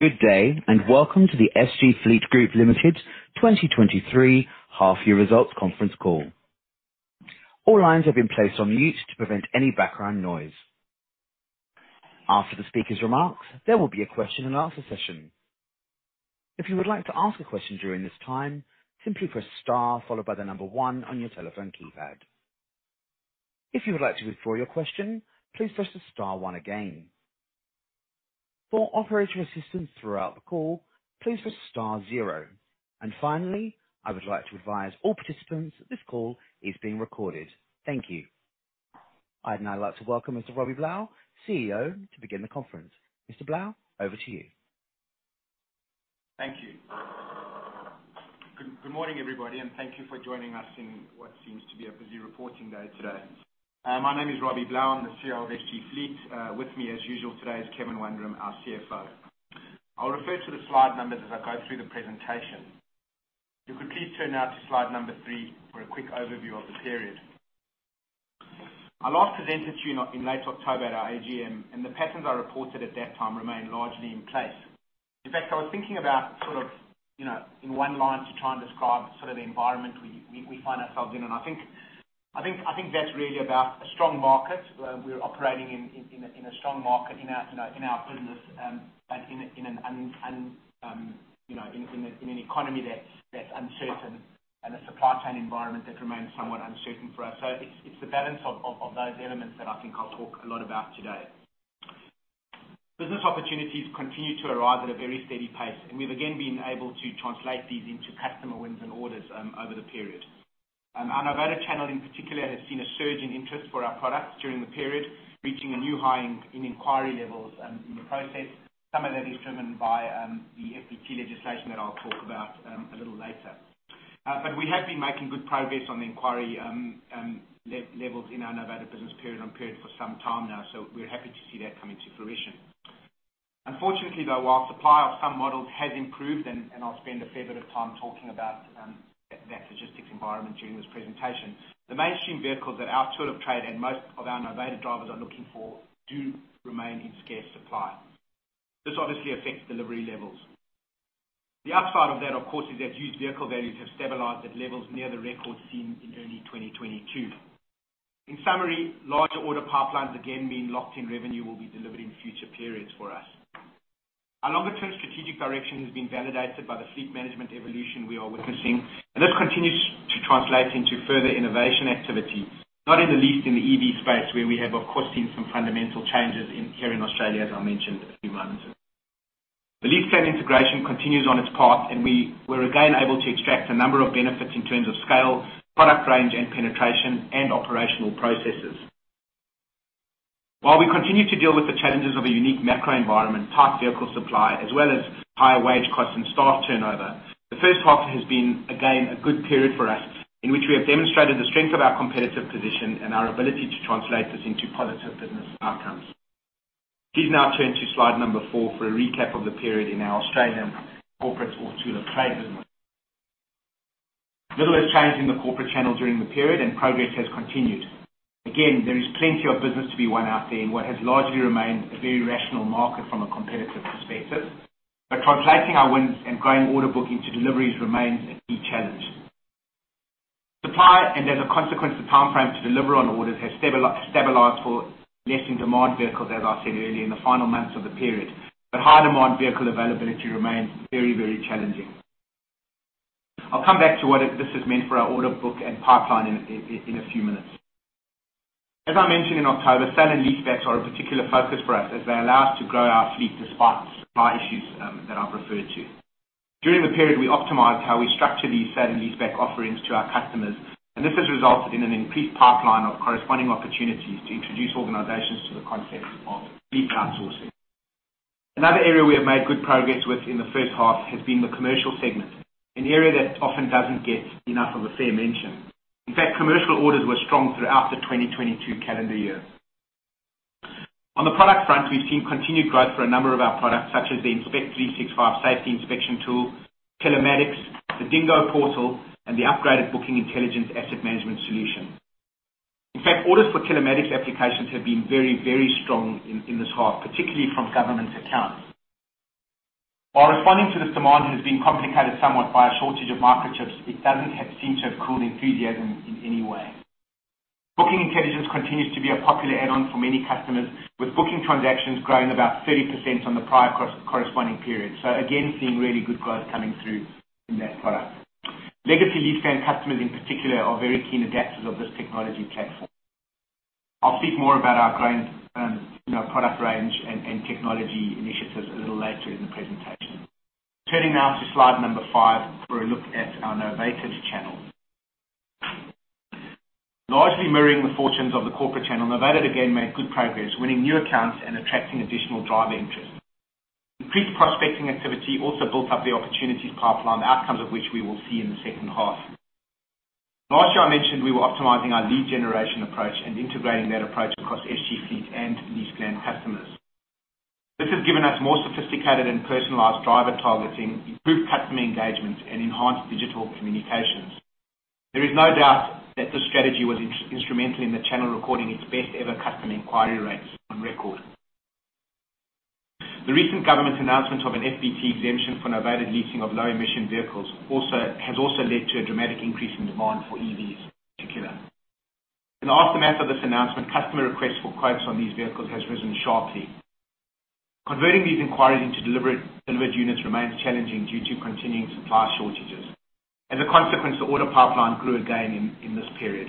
Good day, and welcome to the SG Fleet Group Limited 2023 half-year results conference call. All lines have been placed on mute to prevent any background noise. After the speaker's remarks, there will be a question and answer session. If you would like to ask a question during this time, simply press star followed by one on your telephone keypad. If you would like to withdraw your question, please press the star one again. For operator assistance throughout the call, please press star zero. Finally, I would like to advise all participants that this call is being recorded. Thank you. I'd now like to welcome Mr. Robbie Blau, CEO, to begin the conference. Mr. Blau, over to you. Thank you. Good morning, everybody, and thank you for joining us in what seems to be a busy reporting day today. My name is Robbie Blau. I'm the CEO of SG Fleet. With me, as usual, today is Kevin Wundram, our CFO. I'll refer to the slide numbers as I go through the presentation. If you could please turn now to slide number three for a quick overview of the period. I last presented to you in late October at our AGM, and the patterns I reported at that time remain largely in place. In fact, I was thinking about sort of, you know, in 1 line to try and describe sort of the environment we find ourselves in. I think that's really about a strong market. We're operating in a strong market in our, you know, in our business, but in an economy that's uncertain and a supply chain environment that remains somewhat uncertain for us. It's the balance of those elements that I think I'll talk a lot about today. Business opportunities continue to arrive at a very steady pace, and we've again been able to translate these into customer wins and orders over the period. Our Novated channel, in particular, has seen a surge in interest for our products during the period, reaching a new high in inquiry levels in the process. Some of that is driven by the FBT legislation that I'll talk about a little later. We have been making good progress on the inquiry levels in our Novated business period on period for some time now, so we're happy to see that coming to fruition. Unfortunately, though, while supply of some models has improved, and I'll spend a fair bit of time talking about that logistics environment during this presentation. The mainstream vehicles that our tool of trade and most of our Novated drivers are looking for do remain in scarce supply. This obviously affects delivery levels. The upside of that, of course, is that used vehicle values have stabilized at levels near the record seen in early 2022. In summary, larger order pipelines, again, mean locked-in revenue will be delivered in future periods for us. Our longer term strategic direction has been validated by the fleet management evolution we are witnessing. This continues to translate into further innovation activity, not in the least in the EV space, where we have, of course, seen some fundamental changes in here in Australia, as I mentioned a few moments ago. The LeasePlan integration continues on its path. We were again able to extract a number of benefits in terms of scale, product range and penetration and operational processes. While we continue to deal with the challenges of a unique macro environment, tight vehicle supply as well as higher wage costs and staff turnover, the first half has been again a good period for us in which we have demonstrated the strength of our competitive position and our ability to translate this into positive business outcomes. Please now turn to slide number four for a recap of the period in our Australian corporate or tool of trade business. Little has changed in the corporate channel during the period. Progress has continued. Again, there is plenty of business to be won out there in what has largely remained a very rational market from a competitive perspective. Translating our wins and growing order book into deliveries remains a key challenge. Supply, as a consequence, the timeframe to deliver on orders has stabilized for less in demand vehicles, as I said earlier, in the final months of the period. High demand vehicle availability remains very, very challenging. I'll come back to what this has meant for our order book and pipeline in a few minutes. As I mentioned in October, sale and leasebacks are a particular focus for us as they allow us to grow our fleet despite the supply issues that I've referred to. During the period, we optimized how we structure these sale and leaseback offerings to our customers, this has resulted in an increased pipeline of corresponding opportunities to introduce organizations to the concept of fleet outsourcing. Another area we have made good progress with in the first half has been the commercial segment, an area that often doesn't get enough of a fair mention. In fact, commercial orders were strong throughout the 2022 calendar year. On the product front, we've seen continued growth for a number of our products such as the Inspect365 safety inspection tool, Telematics, the DingGo Portal and the upgraded Bookingintelligence asset management solution. In fact, orders for Telematics applications have been very, very strong in this half, particularly from government accounts. While responding to this demand has been complicated somewhat by a shortage of microchips, it doesn't seem to have cooled enthusiasm in any way. Bookingintelligence continues to be a popular add-on for many customers, with booking transactions growing about 30% on the prior corresponding period. Again, seeing really good growth coming through in that product. Legacy LeasePlan customers in particular are very keen adapters of this technology platform. I'll speak more about our current, you know, product range and technology initiatives a little later in the presentation. Turning now to slide number five for a look at our Novated channel. Largely mirroring the fortunes of the corporate channel, Novated again made good progress, winning new accounts and attracting additional driver interest. Increased prospecting activity also built up the opportunities pipeline, the outcomes of which we will see in the second half. Last year, I mentioned we were optimizing our lead generation approach and integrating that approach across SG Fleet and LeasePlan customers. This has given us more sophisticated and personalized driver targeting, improved customer engagement and enhanced digital communications. There is no doubt that this strategy was instrumental in the channel recording its best ever customer inquiry rates on record. The recent government announcement of an FBT exemption for novated leasing of low emission vehicles has also led to a dramatic increase in demand for EVs in particular. In the aftermath of this announcement, customer requests for quotes on these vehicles has risen sharply. Converting these inquiries into delivered units remains challenging due to continuing supply shortages. As a consequence, the order pipeline grew again in this period.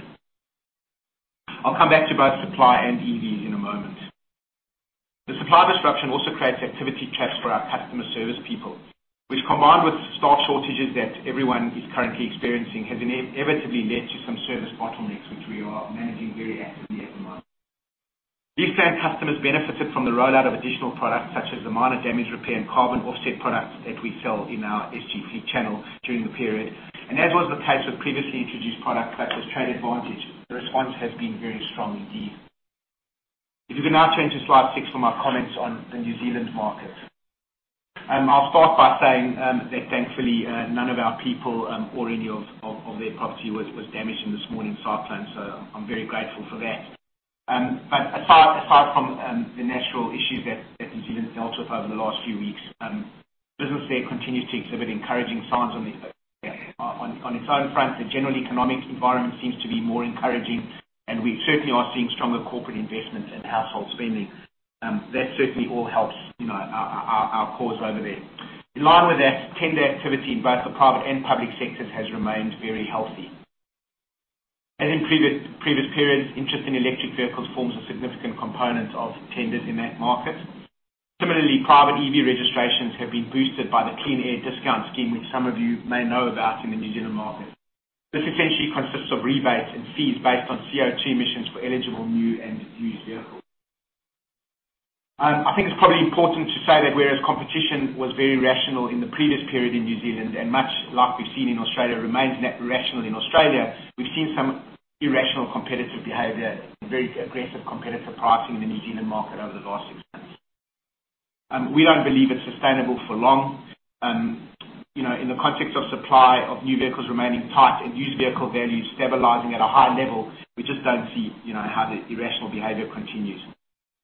I'll come back to both supply and EV in a moment. The supply disruption also creates activity caps for our customer service people, which combined with staff shortages that everyone is currently experiencing, has inevitably led to some service bottlenecks which we are managing very actively at the moment. LeasePlan customers benefited from the rollout of additional products such as the minor damage repair and carbon offset products that we sell in our SG Fleet channel during the period. As was the case with previously introduced products such as Trade Advantage, the response has been very strong indeed. If you can now change to slide six for my comments on the New Zealand market. I'll start by saying that thankfully, none of our people or any of their property was damaged in this morning's cyclone. I'm very grateful for that. Aside from the natural issues that New Zealand has dealt with over the last few weeks, business there continues to exhibit encouraging signs on its own front. The general economic environment seems to be more encouraging, and we certainly are seeing stronger corporate investments and household spending. That certainly all helps, you know, our cause over there. In line with that, tender activity in both the private and public sectors has remained very healthy. As in previous periods, interest in electric vehicles forms a significant component of tenders in that market. Similarly, private EV registrations have been boosted by the Clean Car Discount Scheme, which some of you may know about in the New Zealand market. This essentially consists of rebates and fees based on CO2 emissions for eligible new and used vehicles. I think it's probably important to say that whereas competition was very rational in the previous period in New Zealand, and much like we've seen in Australia, remains rational in Australia, we've seen some irrational competitive behavior, very aggressive competitive pricing in the New Zealand market over the last six months. We don't believe it's sustainable for long. You know, in the context of supply of new vehicles remaining tight and used vehicle values stabilizing at a high level, we just don't see, you know, how the irrational behavior continues.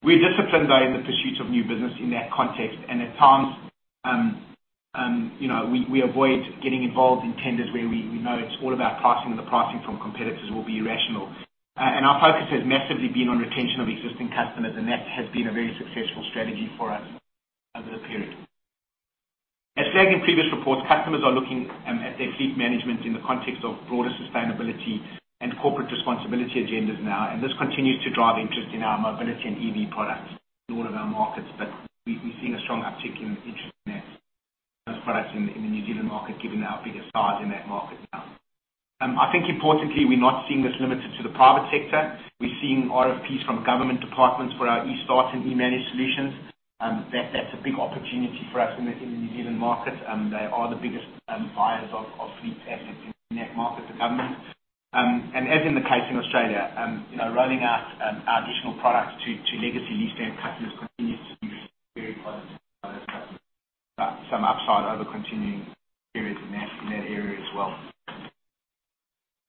We're disciplined, though, in the pursuit of new business in that context. At times, you know, we avoid getting involved in tenders where we know it's all about pricing, and the pricing from competitors will be irrational. Our focus has massively been on retention of existing customers, and that has been a very successful strategy for us over the period. As stated in previous reports, customers are looking at their fleet management in the context of broader sustainability and corporate responsibility agendas now, and this continues to drive interest in our mobility and EV products in all of our markets. We've seen a strong uptick in interest in that, those products in the New Zealand market, given our bigger size in that market now. I think importantly, we're not seeing this limited to the private sector. We're seeing RFPs from government departments for our eStart and eManage solutions. That's a big opportunity for us in the New Zealand market. They are the biggest buyers of fleet assets in that market, the government. As in the case in Australia, you know, rolling out our additional products to legacy LeasePlan customers continues to be very positive. Some upside over continuing periods in that area as well.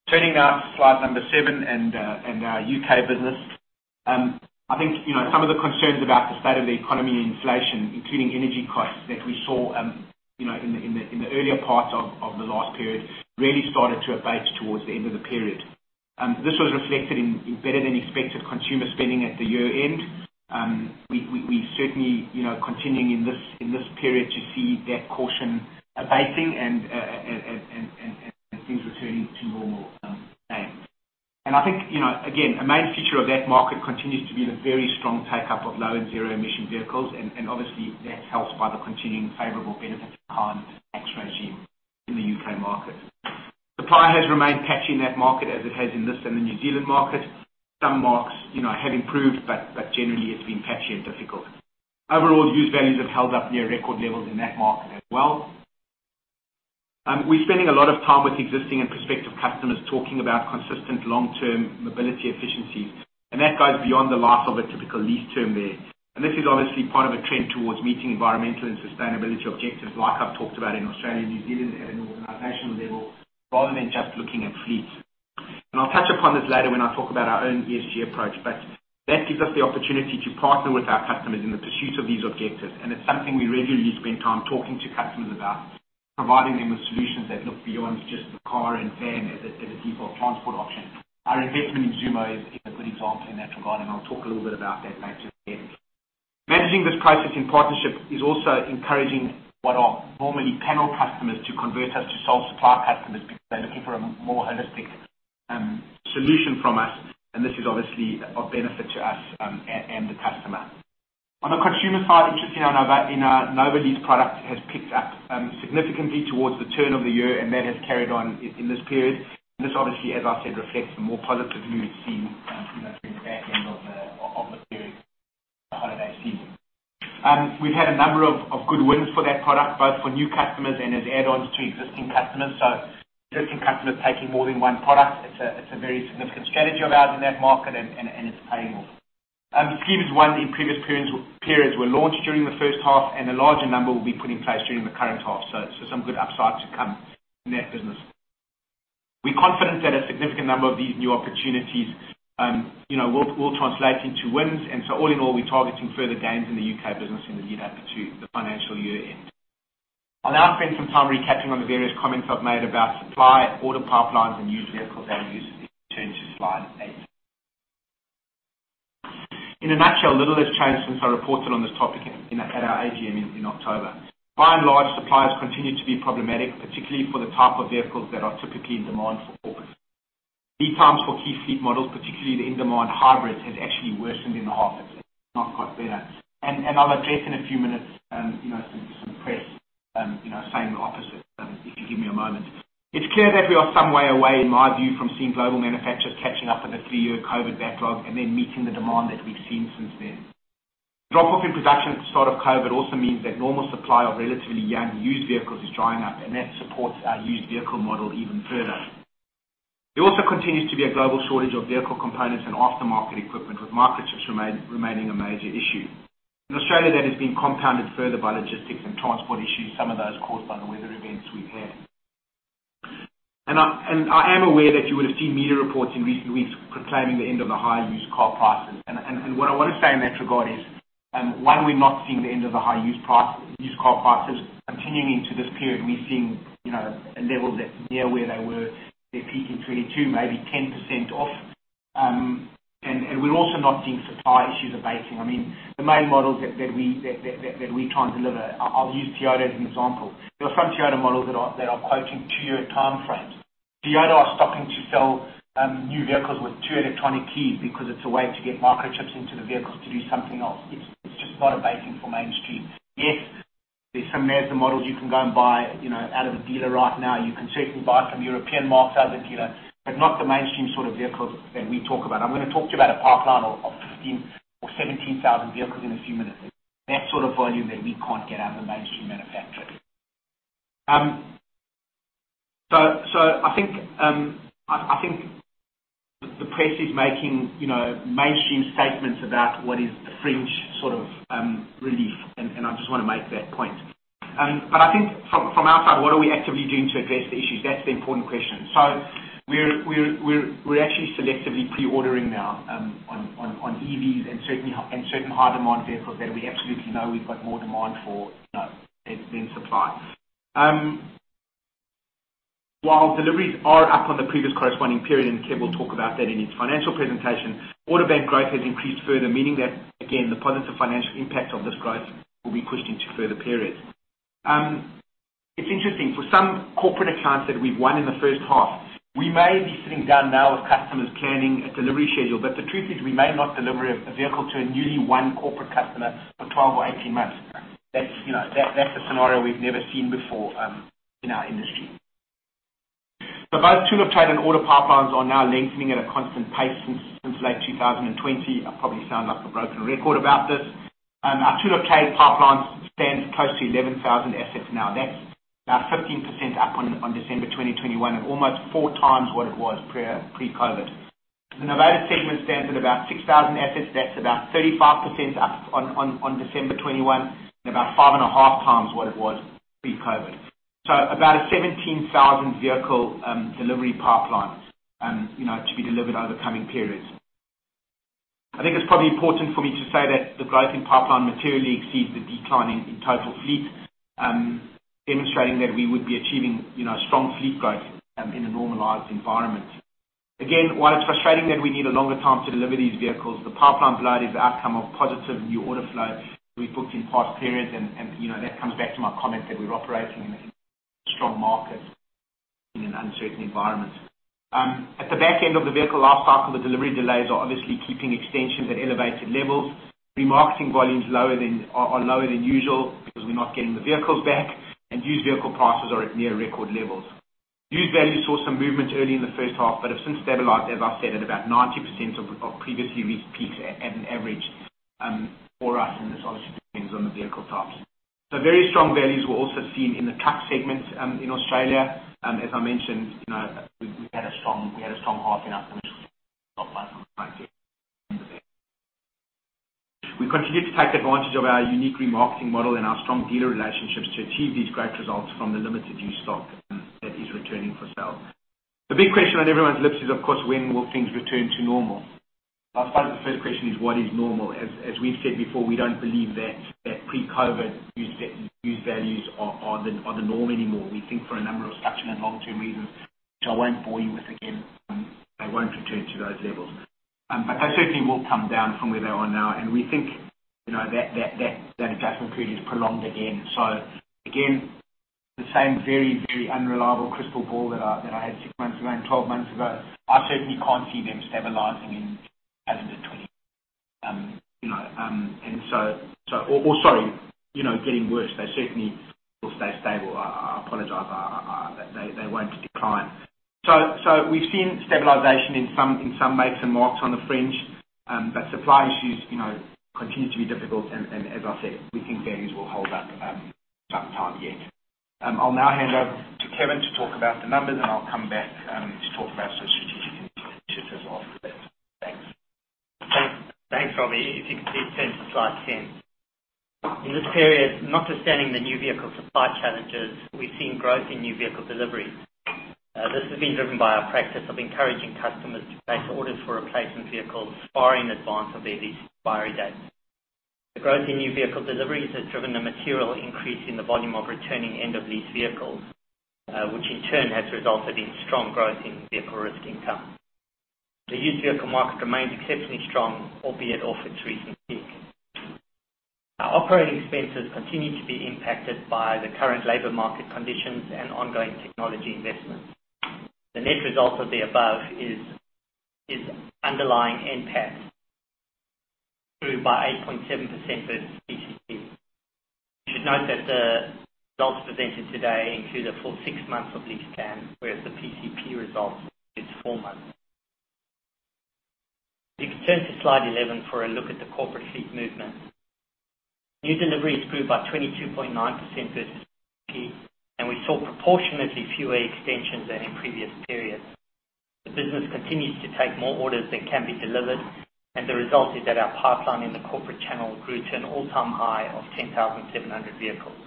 Turning now to slide number seven and our U.K. business. I think, you know, some of the concerns about the state of the economy and inflation, including energy costs that we saw, you know, in the earlier part of the last period, really started to abate towards the end of the period. This was reflected in better-than-expected consumer spending at the year-end. We certainly, you know, continuing in this period to see that caution abating and things returning to normal again. I think, you know, again, a main feature of that market continues to be the very strong take-up of low and zero emission vehicles, and obviously that's helped by the continuing favorable benefit-in-kind tax regime in the UK market. Supply has remained patchy in that market as it has in this and the New Zealand market. Some marks, you know, have improved, but generally it's been patchy and difficult. Overall, used values have held up near record levels in that market as well. We're spending a lot of time with existing and prospective customers talking about consistent long-term mobility efficiency, and that goes beyond the life of a typical lease term there. This is obviously part of a trend towards meeting environmental and sustainability objectives, like I've talked about in Australia and New Zealand, at an organizational level, rather than just looking at fleets. I'll touch upon this later when I talk about our own ESG approach, but that gives us the opportunity to partner with our customers in the pursuit of these objectives. It's something we regularly spend time talking to customers about, providing them with solutions that look beyond just the car and van as a, as a default transport option. Our investment in Zoomo is a good example in that regard, and I'll talk a little bit about that later again. Managing this process in partnership is also encouraging what are normally panel customers to convert us to sole supply customers because they're looking for a more holistic solution from us, and this is obviously of benefit to us and the customer. On the consumer side, interest in our Novalease product has picked up significantly towards the turn of the year, and that has carried on in this period. This obviously, as I said, reflects the more positive mood seen, you know, through the back end of the period, the holiday season. We've had a number of good wins for that product, both for new customers and as add-ons to existing customers. Existing customers taking more than one product. It's a very significant strategy of ours in that market and it's paying off. The fleet is one. The previous periods were launched during the first half, and a larger number will be put in place during the current half. Some good upside to come in that business. We're confident that a significant number of these new opportunities, you know, will translate into wins. All in all, we're targeting further gains in the UK business in the lead up to the financial year end. I'll now spend some time recapping on the various comments I've made about supply, order pipelines, and used vehicles values. Let me turn to slide eight. In a nutshell, little has changed since I reported on this topic at our AGM in October. By and large, suppliers continue to be problematic, particularly for the type of vehicles that are typically in demand for corporate. Lead times for key fleet models, particularly the in-demand hybrids, has actually worsened in the half. It's not got better. I'll address in a few minutes, you know, some press, you know, saying the opposite, if you give me a moment. It's clear that we are some way away, in my view, from seeing global manufacturers catching up on the three-year COVID backlog and then meeting the demand that we've seen since then. Drop-off in production at the start of COVID also means that normal supply of relatively young used vehicles is drying up, and that supports our used vehicle model even further. There also continues to be a global shortage of vehicle components and aftermarket equipment, with microchips remaining a major issue. In Australia, that is being compounded further by logistics and transport issues, some of those caused by the weather events we've had. I am aware that you would have seen media reports in recent weeks proclaiming the end of the high used car prices. What I wanna say in that regard is, one, we're not seeing the end of the high used car prices continuing into this period, and we're seeing, you know, a level that's near where they were, their peak in 2022, maybe 10% off. We're also not seeing supply issues abating. I mean, the main models that we can't deliver, I'll use Toyota as an example. There are some Toyota models that are quoting two-year timeframes. Toyota are stopping to sell new vehicles with two electronic keys because it's a way to get microchips into the vehicles to do something else. It's just not abating for mainstream. Yes, there's some Mazda models you can go and buy, you know, out of a dealer right now. You can certainly buy some European marks out of the dealer, but not the mainstream sort of vehicles that we talk about. I'm gonna talk to you about a pipeline of 15,000 or 17,000 vehicles in a few minutes. That sort of volume that we can't get out of the mainstream manufacturer. I think the press is making, you know, mainstream statements about what is a fringe sort of, relief, and I just wanna make that point. I think from our side, what are we actively doing to address the issues? That's the important question. We're actually selectively pre-ordering now, on EVs and certain high demand vehicles that we absolutely know we've got more demand for, you know, than supply. While deliveries are up on the previous corresponding period, and Kev will talk about that in his financial presentation, order bank growth has increased further, meaning that, again, the positive financial impact of this growth will be pushed into further periods. It's interesting. For some corporate accounts that we've won in the first half, we may be sitting down now with customers planning a delivery schedule, but the truth is we may not deliver a vehicle to a newly won corporate customer for 12 or 18 months. That's, you know, that's a scenario we've never seen before in our industry. Both tool-of-trade and order pipelines are now lengthening at a constant pace since late 2020. I probably sound like a broken record about this. Our tool-of-trade pipelines stands close to 11,000 assets now. That's now 15% up on December 2021, and almost four times what it was pre-COVID. The Novated segment stands at about 6,000 assets. That's about 35% up on December 2021, and about five and a half times what it was pre-COVID. About a 17,000 vehicle delivery pipeline, you know, to be delivered over the coming periods. I think it's probably important for me to say that the growth in pipeline materially exceeds the decline in total fleet, demonstrating that we would be achieving, you know, strong fleet growth in a normalized environment. Again, while it's frustrating that we need a longer time to deliver these vehicles, the pipeline bloat is the outcome of positive new order flow we booked in past periods and, you know, that comes back to my comment that we're operating in a strong market in an uncertain environment. At the back end of the vehicle lifecycle, the delivery delays are obviously keeping extensions at elevated levels. Remarketing volumes lower than-Are lower than usual because we're not getting the vehicles back, and used vehicle prices are at near record levels. Used values saw some movement early in the first half, but have since stabilized, as I've said, at about 90% of previously reached peaks at an average for us, and this obviously depends on the vehicle types. Very strong values were also seen in the truck segment in Australia, as I mentioned, you know, we had a strong half in our commercial vehicle pipeline. We continued to take advantage of our unique remarketing model and our strong dealer relationships to achieve these great results from the limited used stock that is returning for sale. The big question on everyone's lips is, of course, when will things return to normal? I suppose the first question is, what is normal? As we've said before, we don't believe that pre-COVID used values are the norm anymore. We think for a number of structural and long-term reasons, which I won't bore you with again, they won't return to those levels. They certainly will come down from where they are now, and we think, you know, that adjustment period is prolonged again. Again, the same very unreliable crystal ball that I had six months ago and 12 months ago, I certainly can't see them stabilizing in, as of between, you know, Sorry, you know, getting worse. They certainly will stay stable. I apologize. They won't decline. We've seen stabilization in some, in some makes and marks on the fringe. Supply issues, you know, continue to be difficult and as I said, we think values will hold up some time yet. I'll now hand over to Kevin to talk about the numbers, and I'll come back to talk about the strategic initiatives as well. Thanks. Thanks, thanks, Robbie. If you could please turn to slide 10. In this period, notwithstanding the new vehicle supply challenges, we've seen growth in new vehicle deliveries. This has been driven by our practice of encouraging customers to place orders for replacement vehicles far in advance of their lease expiry dates. The growth in new vehicle deliveries has driven a material increase in the volume of returning end-of-lease vehicles, which in turn has resulted in strong growth in vehicle risk income. The used vehicle market remains exceptionally strong, albeit off its recent peak. Our operating expenses continue to be impacted by the current labor market conditions and ongoing technology investments. The net result of the above is underlying NPAT grew by 8.7% versus PCP. You should note that the results presented today include a full six months of LeasePlan, whereas the PCP results is four months. If you could turn to slide 11 for a look at the corporate fleet movement. New deliveries grew by 22.9% versus PCP, and we saw proportionately fewer extensions than in previous periods. The business continues to take more orders than can be delivered, and the result is that our pipeline in the corporate channel grew to an all-time high of 10,700 vehicles.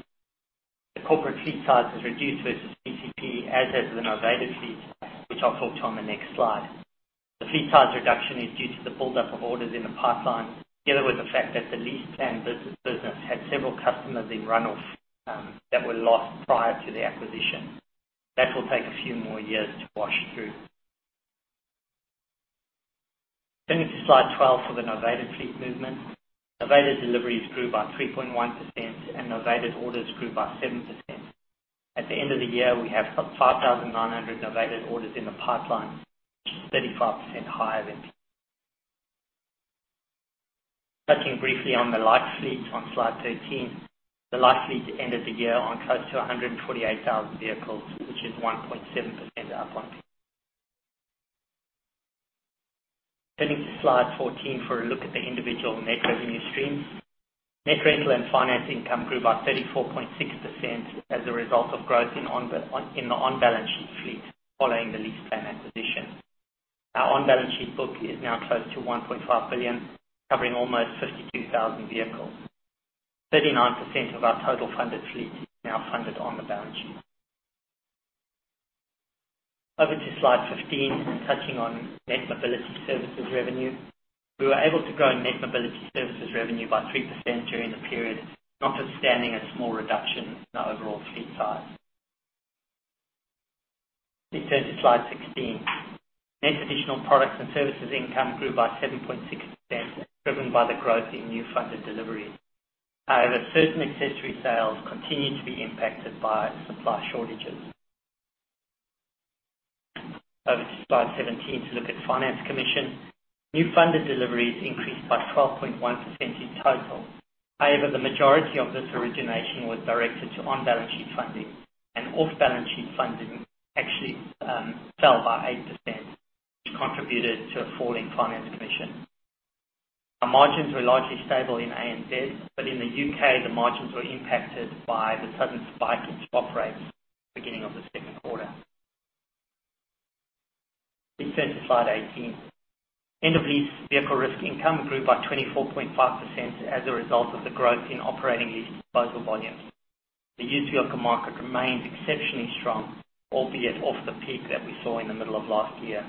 The corporate fleet size has reduced versus PCP, as has the Novated fleet, which I'll talk to on the next slide. The fleet size reduction is due to the build-up of orders in the pipeline, together with the fact that the LeasePlan business had several customers in run-off that were lost prior to the acquisition. That will take a few more years to wash through. Turning to slide 12 for the Novated fleet movement. Novated deliveries grew by 3.1%, and Novated orders grew by 7%. At the end of the year, we have 5,900 Novated orders in the pipeline, which is 35% higher than. Touching briefly on the Light Fleet on slide 13. The Light Fleet ended the year on close to 148,000 vehicles, which is 1.7% up on. Turning to slide 14 for a look at the individual net revenue streams. Net rental and finance income grew by 34.6% as a result of growth in the on-balance-sheet fleet following the LeasePlan acquisition. Our on-balance-sheet book is now close to 1.5 billion, covering almost 52,000 vehicles. 39% of our total funded fleet is now funded on the balance sheet. Over to slide 15, touching on net mobility services revenue. We were able to grow net mobility services revenue by 3% during the period, notwithstanding a small reduction in our overall fleet size. Please turn to slide 16. Net traditional products and services income grew by 7.6%, driven by the growth in new funded deliveries. However, certain accessory sales continued to be impacted by supply shortages. Over to slide 17 to look at finance commission. New funded deliveries increased by 12.1% in total. However, the majority of this origination was directed to on-balance-sheet funding and off-balance-sheet funding actually fell by 8%, which contributed to a fall in finance commission. Our margins were largely stable in ANZ, but in the U.K., the margins were impacted by the sudden spike in swap rates at the beginning of the Q2. Please turn to slide 18. End-of-lease vehicle risk income grew by 24.5% as a result of the growth in operating lease disposal volumes. The used vehicle market remains exceptionally strong, albeit off the peak that we saw in the middle of last year.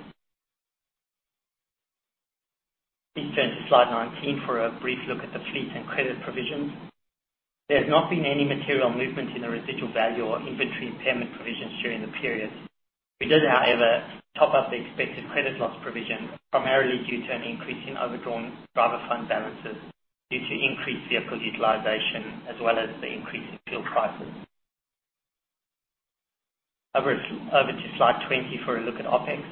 Please turn to slide 19 for a brief look at the fleet and credit provisions. There has not been any material movement in the residual value or inventory impairment provisions during the period. We did, however, top up the expected credit loss provision, primarily due to an increase in overdrawn driver fund balances due to increased vehicle utilization, as well as the increase in fuel prices. Over to slide 20 for a look at OpEx.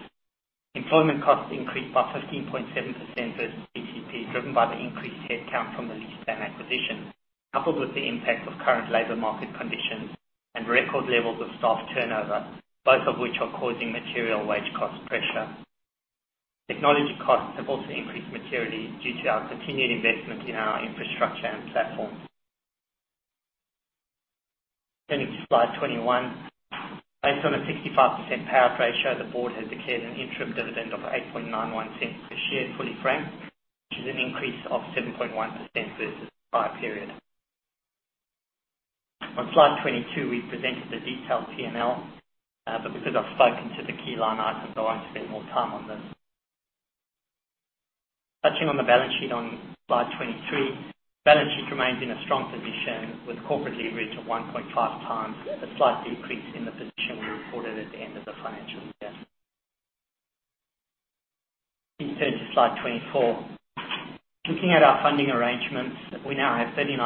Employment costs increased by 15.7% versus PCP, driven by the increased headcount from the LeasePlan acquisition, coupled with the impact of current labor market conditions and record levels of staff turnover, both of which are causing material wage cost pressure. Technology costs have also increased materially due to our continued investment in our infrastructure and platform. Turning to slide 21. Based on a 65% payout ratio, the board has declared an interim dividend of 0.0891 per share, fully franked, which is an increase of 7.1% versus the prior period. On slide 22, we presented a detailed P&L, because I've spoken to the key line items, I won't spend more time on this. Touching on the balance sheet on slide 22. Balance sheet remains in a strong position with corporate leverage of 1.5 times, a slight decrease in the position we reported at the end of the financial year. Please turn to slide 24. Looking at our funding arrangements, we now have 39%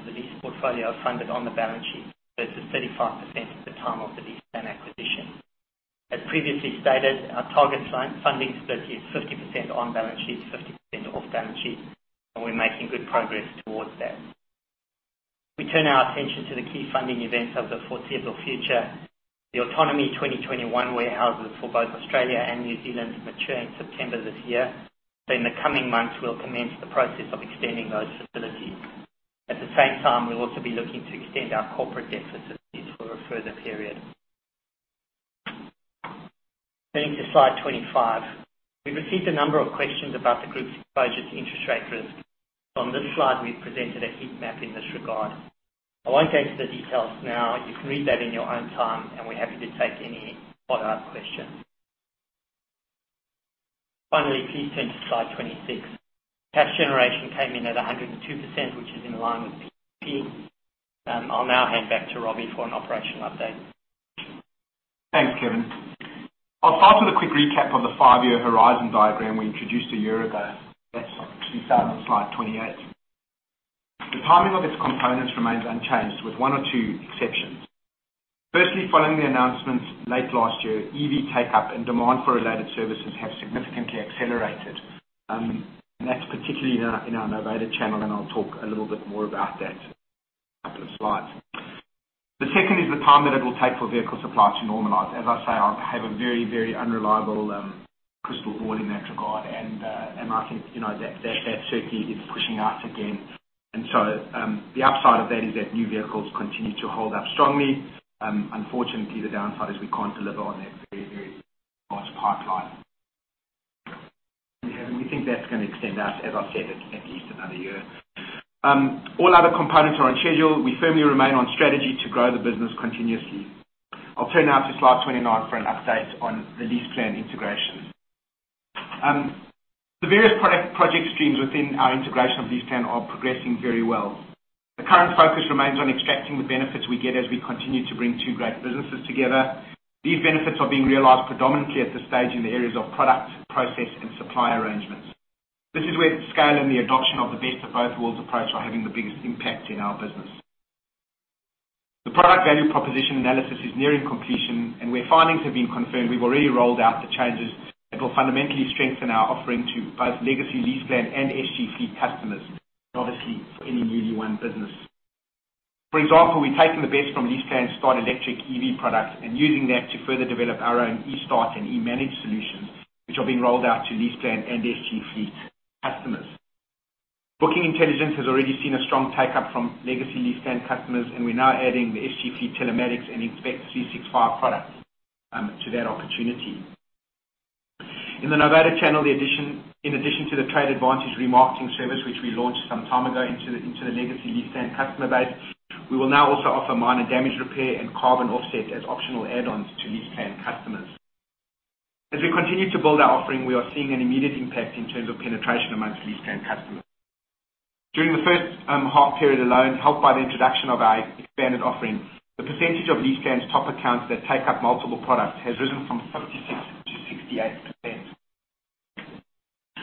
of the lease portfolio funded on the balance sheet versus 35% at the time of the LeasePlan acquisition. As previously stated, our target funding split is 50% on-balance-sheet, 50% off-balance-sheet, and we're making good progress towards that. We turn our attention to the key funding events of the foreseeable future. The Autonomy 2021 warehouses for both Australia and New Zealand mature in September this year. In the coming months, we'll commence the process of extending those facilities. At the same time, we'll also be looking to extend our corporate debt facilities for a further period. Turning to slide 25. We've received a number of questions about the group's exposure to interest rate risk. On this slide, we've presented a heat map in this regard. I won't go into the details now. You can read that in your own time, and we're happy to take any follow-up questions. Please turn to slide 26. Cash generation came in at 102%, which is in line with 15. I'll now hand back to Robbie for an operational update. Thanks, Kevin. I'll start with a quick recap on the five-year horizon diagram we introduced a year ago. That's to be found on slide 28. The timing of its components remains unchanged, with one or two exceptions. Firstly, following the announcements late last year, EV take-up and demand for related services have significantly accelerated. That's particularly in our Novated channel, and I'll talk a little bit more about that in two slides. The second is the time that it will take for vehicle supply to normalize. As I say, I have a very unreliable crystal ball in that regard. I think, you know, that certainly is pushing out again. The upside of that is that new vehicles continue to hold up strongly. Unfortunately, the downside is we can't deliver on that very, very large pipeline. We think that's gonna extend out, as I've said, at least another year. All other components are on schedule. We firmly remain on strategy to grow the business continuously. I'll turn now to slide 29 for an update on the LeasePlan integration. The various product project streams within our integration of LeasePlan are progressing very well. The current focus remains on extracting the benefits we get as we continue to bring two great businesses together. These benefits are being realized predominantly at this stage in the areas of product, process, and supply arrangements. This is where scale and the adoption of the best of both worlds approach are having the biggest impact in our business. The product value proposition analysis is nearing completion, and where findings have been confirmed, we've already rolled out the changes that will fundamentally strengthen our offering to both legacy LeasePlan and SGP customers, and obviously for any newly won business. For example, we've taken the best from LeasePlan's Start Electric EV products and using that to further develop our own eStart and eManage solutions, which are being rolled out to LeasePlan and SG Fleet customers. Bookingintelligence has already seen a strong take-up from legacy LeasePlan customers, and we're now adding the SGP Telematics and Inspect365 products to that opportunity. In the Novated channel, in addition to the Trade Advantage remarketing service, which we launched some time ago into the legacy LeasePlan customer base, we will now also offer minor damage repair and carbon offset as optional add-ons to LeasePlan customers. As we continue to build our offering, we are seeing an immediate impact in terms of penetration amongst LeasePlan customers. During the first half period alone, helped by the introduction of our expanded offering, the percentage of LeasePlan's top accounts that take up multiple products has risen from 66%-68%.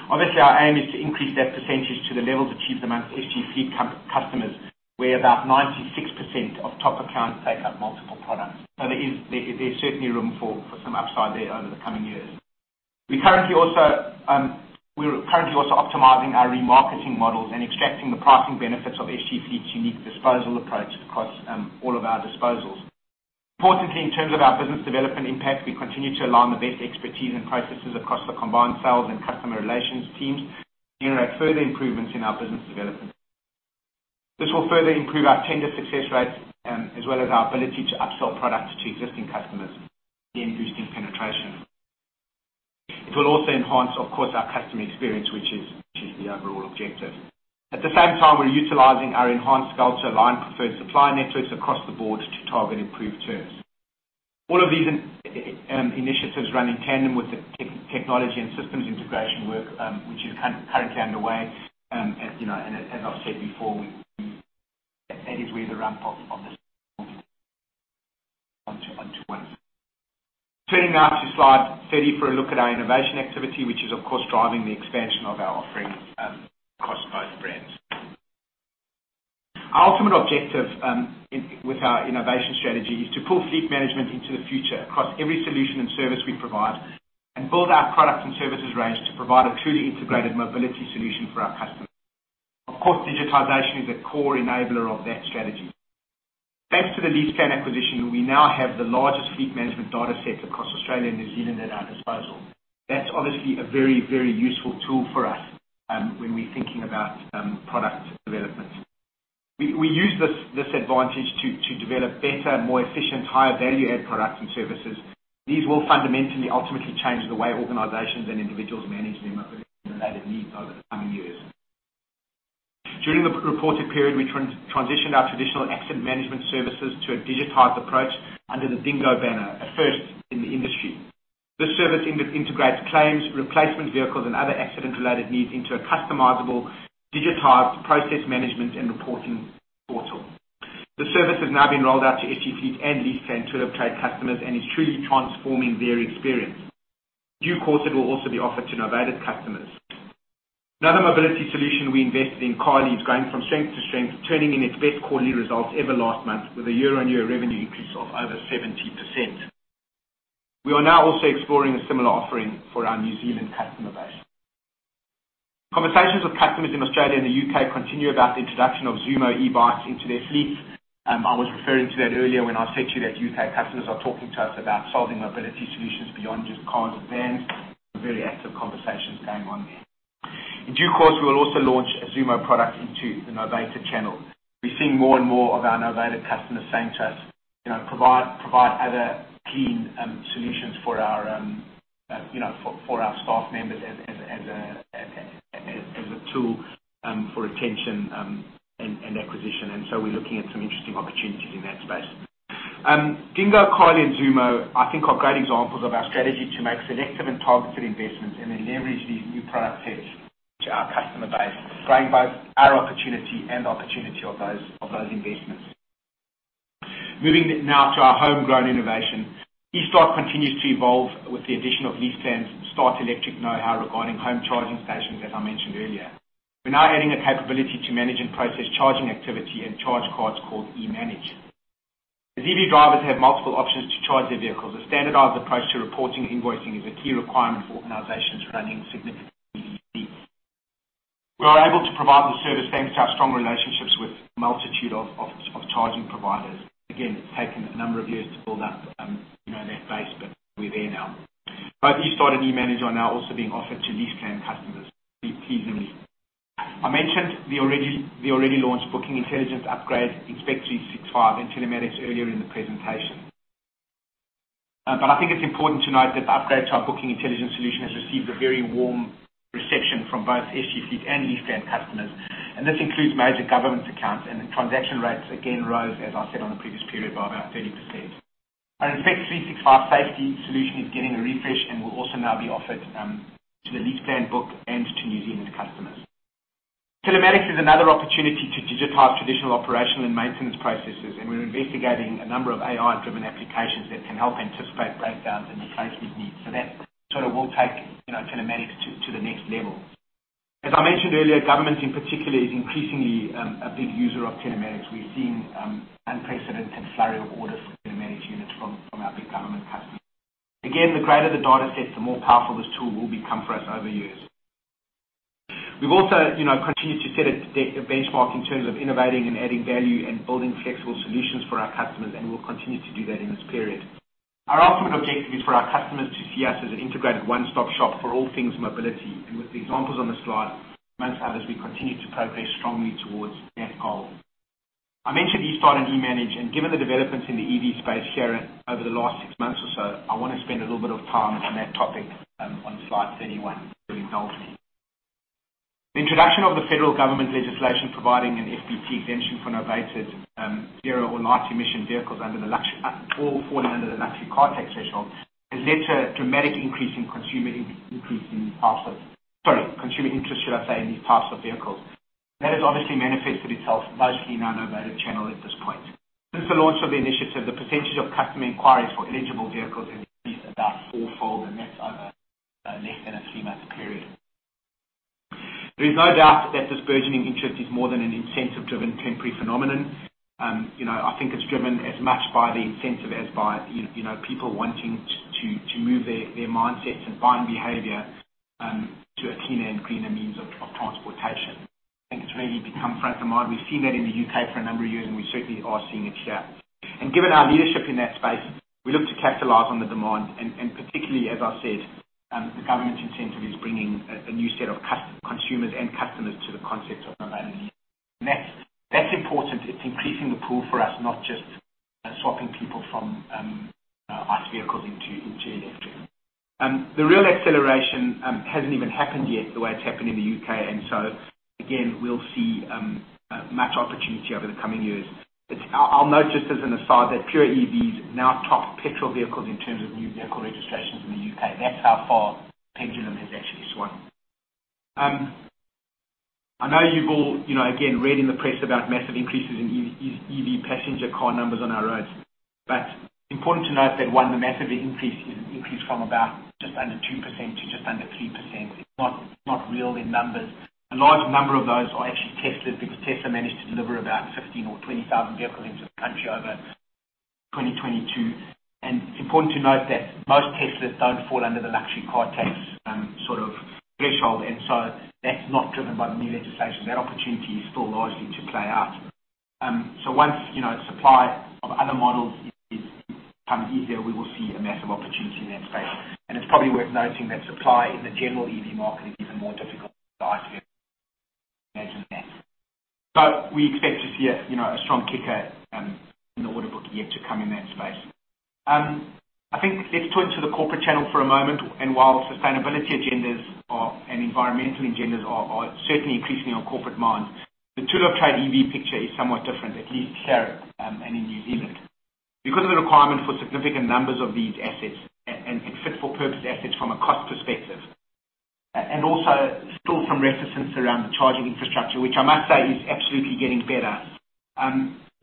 Obviously, our aim is to increase that percentage to the levels achieved amongst SGP customers, where about 96% of top accounts take up multiple products. There's certainly room for some upside there over the coming years. We're currently also optimizing our remarketing models and extracting the pricing benefits of SGP's unique disposal approach across all of our disposals. Importantly, in terms of our business development impact, we continue to align the best expertise and processes across the combined sales and customer relations teams to generate further improvements in our business development. This will further improve our tender success rates, as well as our ability to upsell products to existing customers, again, boosting penetration. It will also enhance, of course, our customer experience, which is the overall objective. At the same time, we're utilizing our enhanced skills to align preferred supplier networks across the board to target improved terms. All of these initiatives run in tandem with the technology and systems integration work, which is currently underway. As, you know, and as I've said before, we-That is where the ramp up of this one to one. Turning now to slide 30 for a look at our innovation activity, which is, of course, driving the expansion of our offering across both brands. Our ultimate objective with our innovation strategy is to pull fleet management into the future across every solution and service we provide and build our product and services range to provide a truly integrated mobility solution for our customers. Of course, digitization is a core enabler of that strategy. Thanks to the LeasePlan acquisition, we now have the largest fleet management data set across Australia and New Zealand at our disposal. That's obviously a very, very useful tool for us when we're thinking about product development. We use this advantage to develop better, more efficient, higher value-add products and services. These will fundamentally ultimately change the way organizations and individuals manage their mobility and related needs over the coming years. During the reported period, we transitioned our traditional accident management services to a digitized approach under the DingGo banner, a first in the industry. This service integrates claims, replacement vehicles, and other accident-related needs into a customizable digitized process management and reporting portal. The service has now been rolled out to SGP and LeasePlan to their trade customers and is truly transforming their experience. Due course, it will also be offered to Novated customers. Another mobility solution we invested in, Carly, is going from strength to strength, turning in its best quarterly results ever last month with a year-on-year revenue increase of over 70%. We are now also exploring a similar offering for our New Zealand customer base. Conversations with customers in Australia and the UK continue about the introduction of Zoomo e-bikes into their fleet. I was referring to that earlier when I said to you that UK customers are talking to us about solving mobility solutions beyond just cars and vans. Very active conversations going on there. In due course, we will also launch a Zoomo product into the Novated channel. We're seeing more and more of our Novated customers saying to us, "You know, provide other clean solutions for our, you know, for our staff members as a tool for retention and acquisition." We're looking at some interesting opportunities in that space. DingGo, Carly, and Zoomo, I think are great examples of our strategy to make selective and targeted investments and then leverage these new product sets to our customer base, growing both our opportunity and the opportunity of those investments. Moving now to our homegrown innovation. eStart continues to evolve with the addition of LeasePlan's Start Electric know-how regarding home charging stations, as I mentioned earlier. We're now adding a capability to manage and process charging activity and charge cards called eManage. As EV drivers have multiple options to charge their vehicles, a standardized approach to reporting invoicing is a key requirement for organizations running significant EV fleets. We are able to provide the service thanks to our strong relationships with a multitude of charging providers. Again, it's taken a number of years to build up, you know, that base, but we're there now. Both eStart and eManage are now also being offered to LeasePlan customers. Reasonably. I mentioned the already launched Bookingintelligence upgrade, Inspect365, and Telematics earlier in the presentation. I think it's important to note that the upgrade to our Bookingintelligence solution has received a very warm reception from both SGC and LeasePlan customers. This includes major government accounts. Transaction rates again rose, as I said on the previous period, by about 30%. Our Inspect365 safety solution is getting a refresh and will also now be offered to the LeasePlan book and to New Zealand customers. Telematics is another opportunity to digitize traditional operational and maintenance processes. We're investigating a number of AI-driven applications that can help anticipate breakdowns and replacement needs. That sort of will take, you know, Telematics to the next level. As I mentioned earlier, government in particular is increasingly a big user of Telematics. We've seen unprecedented flurry of orders for Telematics units from our big government customers. Again, the greater the data set, the more powerful this tool will become for us over years. We've also, you know, continued to set a benchmark in terms of innovating and adding value and building flexible solutions for our customers, and we'll continue to do that in this period. Our ultimate objective is for our customers to see us as an integrated one-stop shop for all things mobility. With the examples on the slide, amongst others, we continue to progress strongly towards that goal. I mentioned eStart and eManage, given the developments in the EV space here over the last six months or so, I wanna spend a little bit of time on that topic on slide 31, if you'll indulge me. The introduction of the federal government legislation providing an FBT exemption for Novated, zero or low emission vehicles or falling under the luxury car tax threshold, has led to a dramatic increase in consumer interest, should I say, in these types of vehicles. That has obviously manifested itself mostly in our Novated channel at this point. Since the launch of the initiative, the percentage of customer inquiries for eligible vehicles has increased about fourfold, that's over less than a three-month period. There is no doubt that this burgeoning interest is more than an incentive-driven temporary phenomenon. You know, I think it's driven as much by the incentive as by, you know, people wanting to move their mindsets and buying behavior to a cleaner and greener means of transportation. I think it's really become front of mind. We've seen that in the U.K. for a number of years, and we certainly are seeing it here. Given our leadership in that space, we look to capitalize on the demand, and particularly, as I've said, the government's incentive is bringing a new set of consumers and customers to the concept of mobility. That's important. It's increasing the pool for us, not just swapping people from ICE vehicles into electric. The real acceleration hasn't even happened yet the way it's happened in the U.K. Again, we'll see much opportunity over the coming years. I'll note just as an aside that pure EVs now top petrol vehicles in terms of new vehicle registrations in the U.K. That's how far the pendulum has actually swung. I know you've all, you know, again, read in the press about massive increases in EV passenger car numbers on our roads. Important to note that, one, the massive increase is an increase from about just under 2% to just under 3%. It's not, it's not real in numbers. A large number of those are actually Teslas because Tesla managed to deliver about 15,000 or 20,000 vehicles into the country over 2022. It's important to note that most Teslas don't fall under the luxury car tax sort of threshold. That's not driven by the new legislation. That opportunity is still largely to play out. Once, you know, supply of other models is easier, we will see a massive opportunity in that space. It's probably worth noting that supply in the general EV market is even more difficult than the ICE imagine that. We expect to see a, you know, a strong kicker in the order book yet to come in that space. I think let's turn to the corporate channel for a moment. While sustainability agendas are, and environmental agendas are certainly increasing on corporate minds, the tool of trade EV picture is somewhat different, at least here, and in New Zealand. Because of the requirement for significant numbers of these assets and fit for purpose assets from a cost perspective, and also still some reticence around the charging infrastructure, which I must say is absolutely getting better,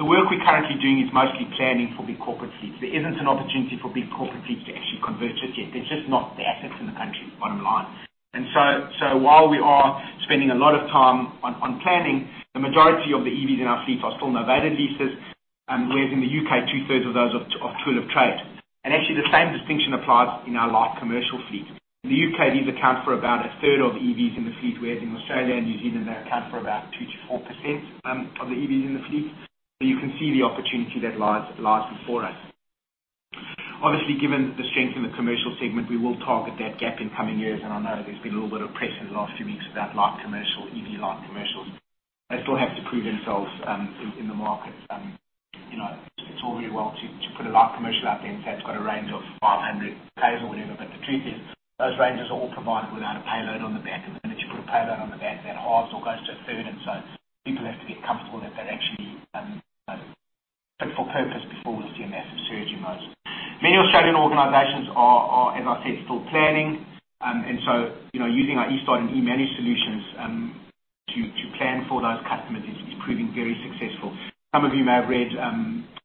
the work we're currently doing is mostly planning for big corporate fleets. There isn't an opportunity for big corporate fleets to actually convert just yet. There's just not the assets in the country bottom line. While we are spending a lot of time on planning, the majority of the EVs in our fleet are still Novated leases, whereas in the U.K., two-thirds of those are tool of trade. Actually the same distinction applies in our large commercial fleet. In the U.K., these account for about a third of EVs in the fleet, whereas in Australia and New Zealand, they account for about 2%-4% of the EVs in the fleet. You can see the opportunity that lies before us. Obviously, given the strength in the commercial segment, we will target that gap in coming years. I know there's been a little bit of press in the last few weeks about light commercial, EV light commercials. They still have to prove themselves in the market. You know, it's all very well to put a light commercial out there and say it's got a range of 500,000s or whatever, the truth is, those ranges are all provided without a payload on the back. The minute you put a payload on the back, that halves or goes to a third. So people have to get comfortable that they're actually, you know, fit for purpose before we see a massive surge in those. Many Australian organizations are, as I said, still planning. So, you know, using our eStart and eManage solutions, to plan for those customers is proving very successful. Some of you may have read,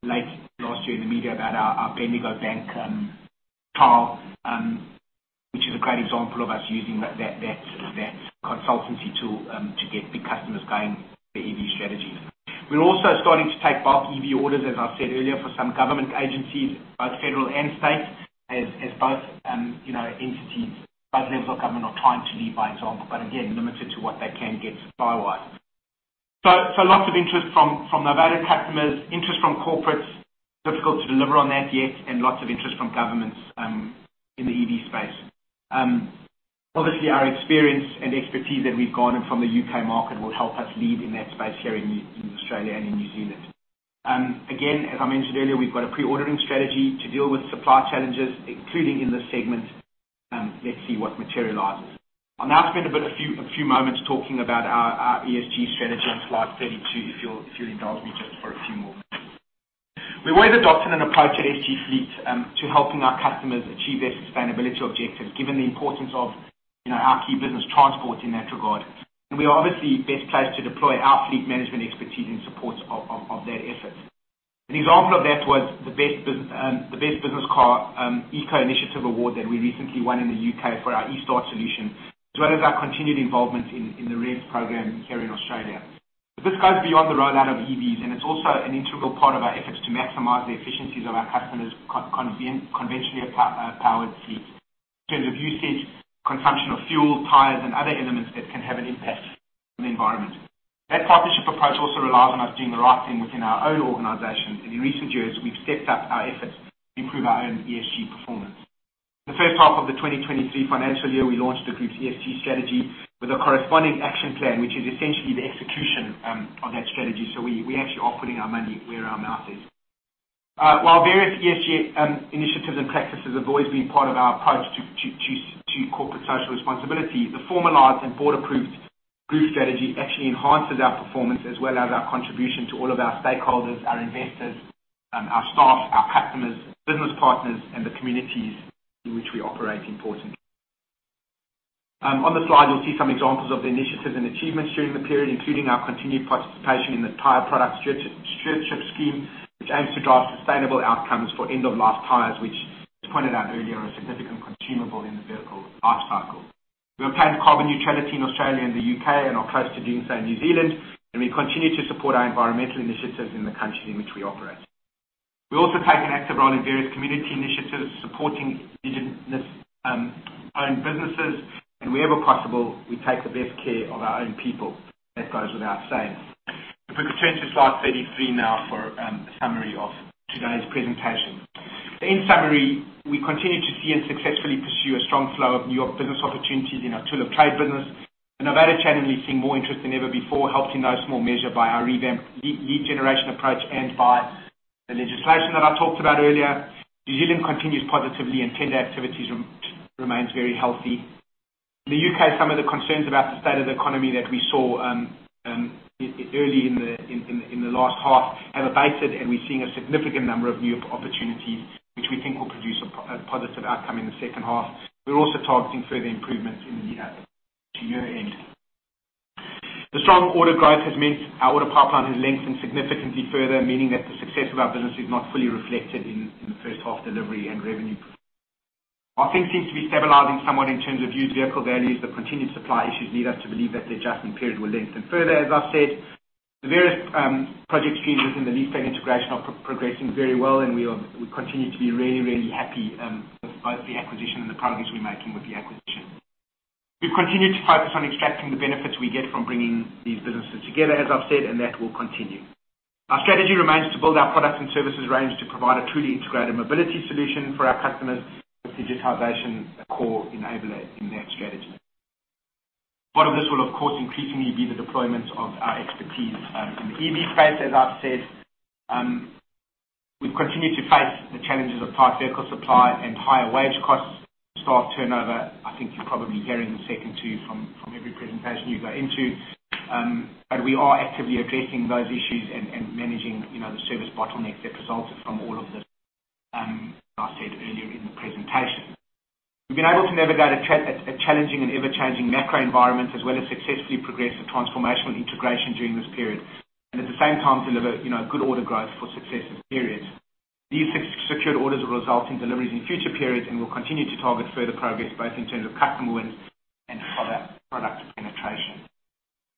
late last year in the media about our Bendigo Bank car, which is a great example of us using that consultancy tool, to get big customers going with the EV strategy. We're also starting to take bulk EV orders, as I said earlier, for some government agencies, both federal and state, as both, you know, entities. Both levels of government are trying to lead by example, but again, limited to what they can get supply-wise. Lots of interest from Novated customers, interest from corporates. Difficult to deliver on that yet and lots of interest from governments in the EV space. Obviously, our experience and expertise that we've garnered from the UK market will help us lead in that space here in Australia and in New Zealand. Again, as I mentioned earlier, we've got a pre-ordering strategy to deal with supply challenges, including in this segment. Let's see what materializes. I'll now spend a few moments talking about our ESG strategy on slide 32, if you'll indulge me just for a few more minutes. We've always adopted an approach at SG Fleet to helping our customers achieve their sustainability objectives, given the importance of, you know, our key business transport in that regard. We are obviously best placed to deploy our fleet management expertise in support of that effort. An example of that was the Best Business Car Eco Initiative Award that we recently won in the U.K. for our eStart solution, as well as our continued involvement in the RENS program here in Australia. This goes beyond the rollout of EVs, and it's also an integral part of our efforts to maximize the efficiencies of our customers' conventionally powered fleet in terms of usage, consumption of fuel, tires, and other elements that can have an impact on the environment. That partnership approach also relies on us doing the right thing within our own organization. In recent years, we've stepped up our efforts to improve our own ESG performance. The first half of the 2023 financial year, we launched the group's ESG strategy with a corresponding action plan, which is essentially the execution of that strategy. We actually are putting our money where our mouth is. While various ESG initiatives and practices have always been part of our approach to corporate social responsibility, the formalized and board-approved group strategy actually enhances our performance as well as our contribution to all of our stakeholders, our investors, our staff, our customers, business partners, and the communities in which we operate importantly. On the slide, you'll see some examples of the initiatives and achievements during the period, including our continued participation in the Tyre Product Stewardship Scheme, which aims to drive sustainable outcomes for end-of-life tyres, which, as pointed out earlier, are a significant consumable in the vehicle lifecycle. We've obtained carbon neutrality in Australia and the U.K. and are close to doing so in New Zealand, and we continue to support our environmental initiatives in the countries in which we operate. We also take an active role in various community initiatives, supporting indigenous owned businesses, and wherever possible, we take the best care of our own people, that goes without saying. If we could turn to slide 33 now for a summary of today's presentation. In summary, we continue to see and successfully pursue a strong flow of new business opportunities in our tool of trade business. The Novated channel is seeing more interest than ever before, helped in no small measure by our revamped lead generation approach and by the legislation that I talked about earlier. New Zealand continues positively, tender activities remains very healthy. In the U.K., some of the concerns about the state of the economy that we saw early in the last half have abated, we're seeing a significant number of new opportunities which we think will produce a positive outcome in the second half. We're also targeting further improvements in the year end. The strong order growth has meant our order pipeline has lengthened significantly further, meaning that the success of our business is not fully reflected in the first half delivery and revenue. Our things seem to be stabilizing somewhat in terms of used vehicle values, but continued supply issues lead us to believe that the adjustment period will lengthen further, as I've said. The various project streams within the LeasePlan integration are progressing very well, we continue to be really, really happy with both the acquisition and the progress we're making with the acquisition. We've continued to focus on extracting the benefits we get from bringing these businesses together, as I've said, and that will continue. Our strategy remains to build our products and services range to provide a truly integrated mobility solution for our customers with digitization a core enabler in that strategy. Part of this will, of course, increasingly be the deployment of our expertise in the EV space, as I've said. We've continued to face the challenges of tight vehicle supply and higher wage costs. Staff turnover, I think you're probably hearing the second tier from every presentation you go into. We are actively addressing those issues and managing, you know, the service bottlenecks that resulted from all of this, as I said earlier in the presentation. We've been able to navigate a challenging and ever-changing macro environment, as well as successfully progress the transformational integration during this period, and at the same time deliver, you know, good order growth for successive periods. These secured orders will result in deliveries in future periods, and we'll continue to target further progress both in terms of customer wins and product penetration.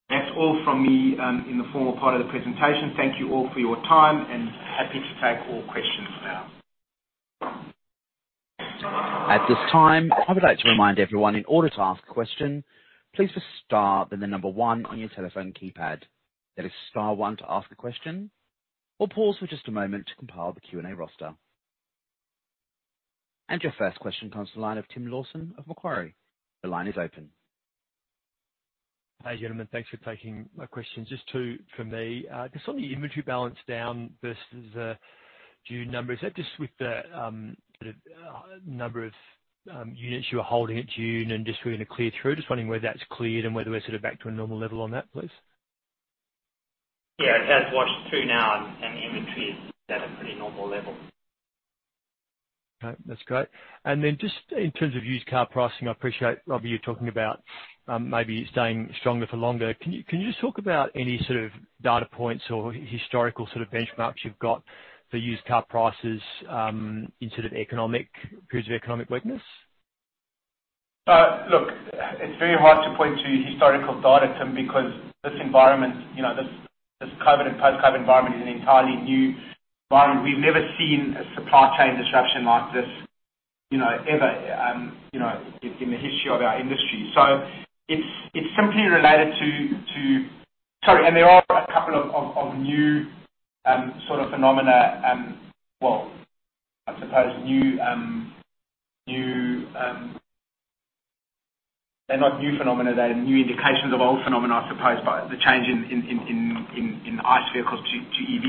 That's all from me, in the formal part of the presentation. Thank you all for your time, and happy to take all questions now. At this time, I would like to remind everyone, in order to ask a question, please press star, then the number one on your telephone keypad. That is star one to ask the question. We'll pause for just a moment to compile the Q&A roster. Your first question comes to the line of Tim Lawson of Macquarie. The line is open. Hi, gentlemen. Thanks for taking my questions. Just two from me. Just on the inventory balance down versus June numbers. Is that just with the number of units you were holding at June and just waiting to clear through? Just wondering whether that's cleared and whether we're sort of back to a normal level on that, please. Yeah, it has washed through now and the inventory is at a pretty normal level. Okay, that's great. Just in terms of used car pricing, I appreciate, Robbie, you talking about, maybe staying stronger for longer. Can you just talk about any sort of data points or historical sort of benchmarks you've got for used car prices, in sort of periods of economic weakness? Look, it's very hard to point to historical data, Tim, because this environment, you know, this COVID and post-COVID environment is an entirely new environment. We've never seen a supply chain disruption like this, you know, ever, you know, in the history of our industry. It's simply related to. Sorry, there are a couple of new sort of phenomena, well, I suppose new. They're not new phenomena, they're new indications of old phenomena, I suppose, by the change in ICE vehicles to EV.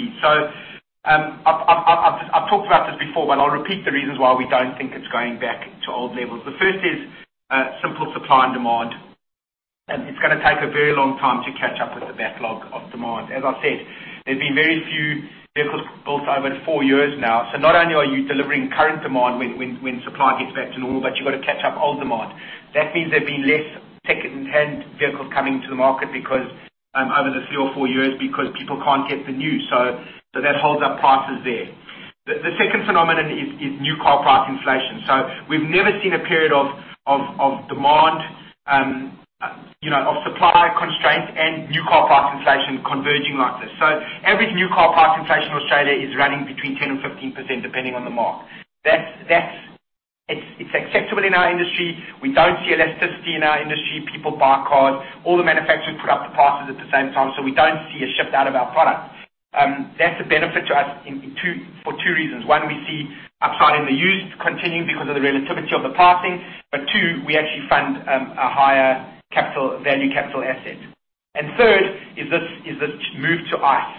I've talked about this before, but I'll repeat the reasons why we don't think it's going back to old levels. The first is simple supply and demand. It's gonna take a very long time to catch up with the backlog of demand. As I said, there's been very few vehicles built over four years now. Not only are you delivering current demand when supply gets back to normal, but you've got to catch up old demand. That means there'd be less second-hand vehicles coming to the market because over the three or four years because people can't get the new. That holds up prices there. The second phenomenon is new car price inflation. We've never seen a period of demand, you know, of supply constraints and new car price inflation converging like this. Average new car price inflation in Australia is running between 10% and 15%, depending on the make. It's acceptable in our industry. We don't see elasticity in our industry. People buy cars. All the manufacturers put up the prices at the same time. We don't see a shift out of our product. That's a benefit to us for two reasons. One, we see upside in the used continuing because of the relativity of the pricing. Two, we actually fund a higher capital, value capital asset. Third is this move to ICE.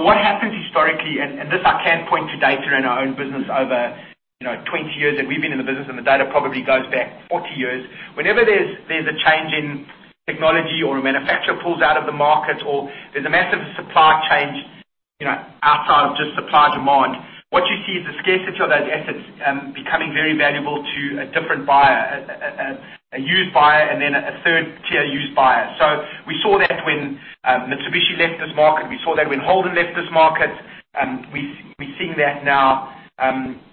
What happens historically, and this I can point to data in our own business over, you know, 20 years that we've been in the business, and the data probably goes back 40 years. Whenever there's a change in technology or a manufacturer pulls out of the market or there's a massive supply change, you know, outside of just supply-demand, what you see is the scarcity of those assets becoming very valuable to a different buyer, a used buyer and then a third-tier used buyer. We saw that when Mitsubishi left this market. We saw that when Holden left this market. We're seeing that now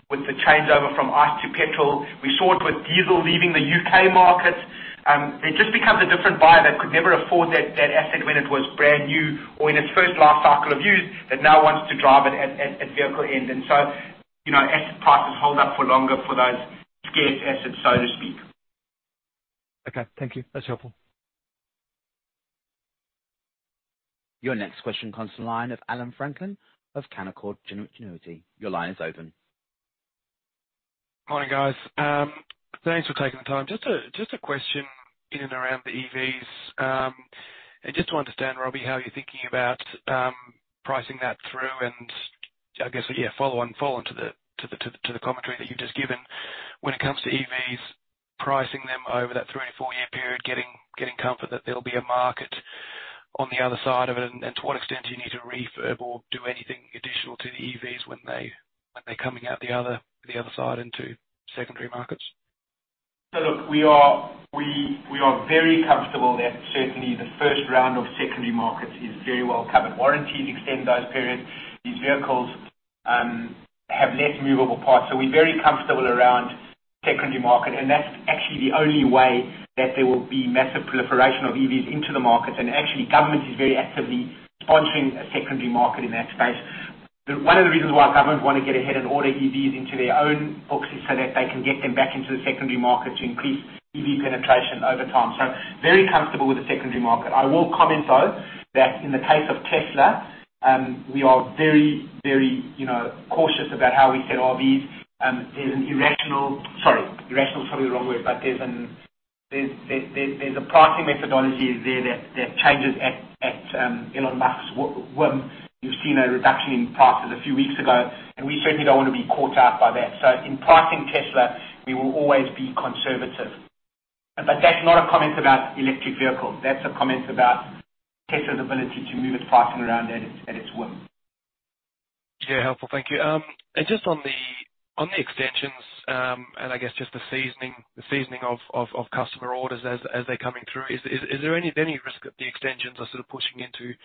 with the changeover from ICE to petrol. We saw it with diesel leaving the UK market. They just become a different buyer that could never afford that asset when it was brand new or in its first life cycle of use, that now wants to drive it at vehicle end. You know, asset prices hold up for longer for those scarce assets, so to speak. Okay. Thank you. That's helpful. Your next question comes to the line of Allan Franklin of Canaccord Genuity. Your line is open. Morning, guys. Thanks for taking the time. Just a question in and around the EVs. Just to understand, Robbie, how you're thinking about pricing that through and I guess, yeah, follow on to the commentary that you've just given. When it comes to EVs, pricing them over that three to four year period, getting comfort that there'll be a market on the other side of it, and to what extent do you need to refurb or do anything additional to the EVs when they're coming out the other side into secondary markets? Look, we are very comfortable that certainly the first round of secondary markets is very well covered. Warranties extend those periods. These vehicles have less movable parts. We're very comfortable around secondary market, and that's actually the only way that there will be massive proliferation of EVs into the market. Actually, government is very actively sponsoring a secondary market in that space. One of the reasons why government wanna get ahead and order EVs into their own books is so that they can get them back into the secondary market to increase EV penetration over time. Very comfortable with the secondary market. I will comment, though, that in the case of Tesla, we are very, very, you know, cautious about how we set our EVs. There's an irrational. Sorry, irrational is probably the wrong word, but there's a pricing methodology there that changes at Elon Musk's whim. You've seen a reduction in prices a few weeks ago, we certainly don't wanna be caught out by that. In pricing Tesla, we will always be conservative. That's not a comment about electric vehicles. That's a comment about Tesla's ability to move its pricing around at its whim. Yeah, helpful. Thank you. Just on the extensions, and I guess just the seasoning of customer orders as they're coming through. Is there any risk that the extensions are sort of pushing into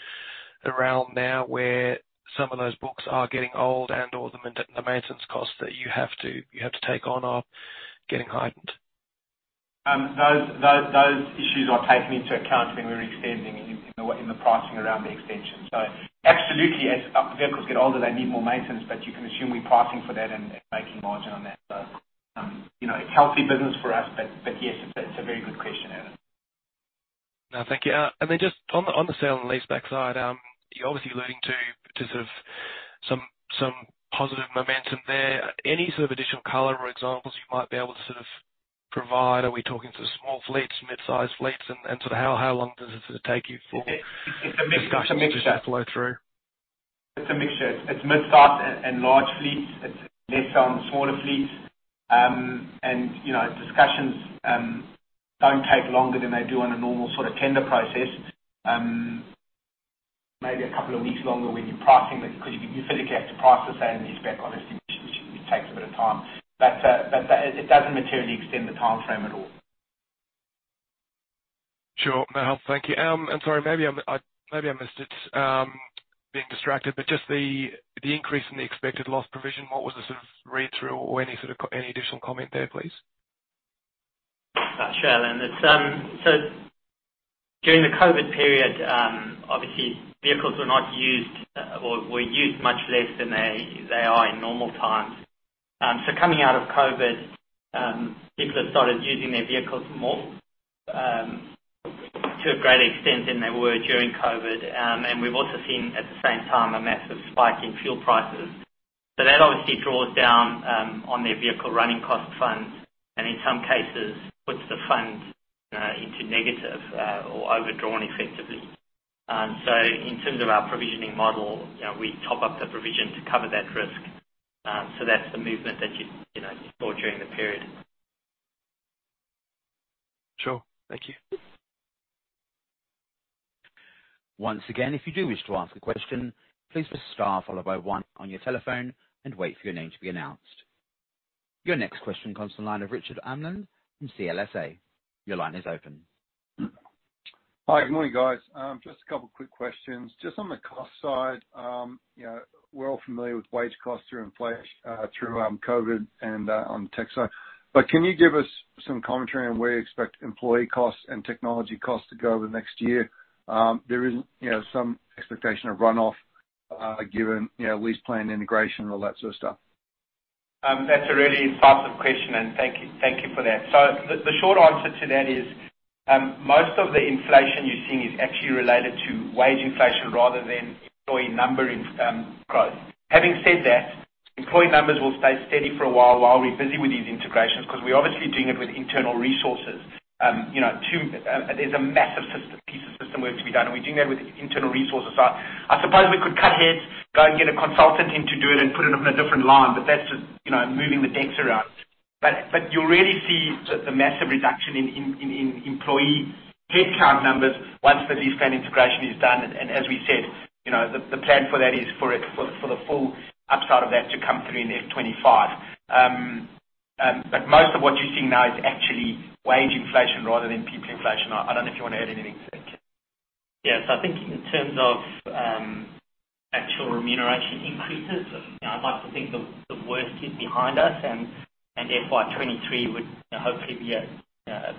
around now where some of those books are getting old and, or the maintenance costs that you have to take on are getting heightened? Those issues are taken into account when we're extending in the pricing around the extension. Absolutely, as vehicles get older, they need more maintenance, but you can assume we're pricing for that and making margin on that. You know, a healthy business for us. Yes, that's a very good question, Allan. No, thank you. Just on the sale and leaseback side, you're obviously alluding to sort of some positive momentum there. Any sort of additional color or examples you might be able to sort of provide? Are we talking sort of small fleets, mid-sized fleets, and sort of how long does it sort of take you? It's a mixture. -discussion to sort of flow through? It's a mixture. It's mid-sized and large fleets. It's less so on the smaller fleets. You know, discussions, don't take longer than they do on a normal sort of tender process. Maybe a couple of weeks longer when you're pricing because you physically have to price the sale and leaseback on estimation, which takes a bit of time. But that... It doesn't materially extend the timeframe at all. Sure. No, thank you. Sorry, maybe I'm, maybe I missed it, being distracted, but just the increase in the expected loss provision, what was the sort of read-through or any sort of additional comment there, please? Sure, Allan. It's during the COVID period, obviously vehicles were not used or were used much less than they are in normal times. Coming out of COVID, people have started using their vehicles more to a greater extent than they were during COVID. We've also seen, at the same time, a massive spike in fuel prices. That obviously draws down on their vehicle running cost funds and in some cases puts the funds into negative or overdrawn effectively. In terms of our provisioning model, you know, we top up the provision to cover that risk. That's the movement that you know, you saw during the period. Sure. Thank you. Once again, if you do wish to ask a question, please press star followed by one on your telephone and wait for your name to be announced. Your next question comes from the line of Richard Amland from CLSA. Your line is open. Hi. Good morning, guys. Just a couple quick questions. Just on the cost side, you know, we're all familiar with wage costs through inflation, through COVID and on the tech side. Can you give us some commentary on where you expect employee costs and technology costs to go over the next year? There is, you know, some expectation of runoff, given, you know, LeasePlan integration and all that sort of stuff. That's a really insightful question, and thank you, thank you for that. The, the short answer to that is, most of the inflation you're seeing is actually related to wage inflation rather than employee number growth. Having said that, employee numbers will stay steady for a while we're busy with these integrations, because we're obviously doing it with internal resources. You know, two, There's a massive system, piece of system work to be done, and we're doing that with internal resources. I suppose we could cut heads, go and get a consultant in to do it and put it on a different line, but that's just, you know, moving the decks around. You'll really see the massive reduction in employee headcount numbers once the LeasePlan integration is done. As we said, you know, the plan for that is for the full upside of that to come through in FY 2025. Most of what you're seeing now is actually wage inflation rather than people inflation. I don't know if you wanna add anything to that, Ken. Yes. I think in terms of actual remuneration increases, you know, I might think the worst is behind us and FY 2023 would hopefully be a, you know,